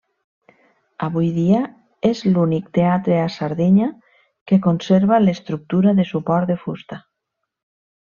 Avui dia és l'únic teatre a Sardenya que conserva l'estructura de suport de fusta.